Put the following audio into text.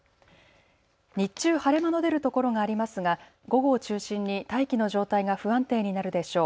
日中、晴れ間の出る所がありますが午後を中心に大気の状態が不安定になるでしょう。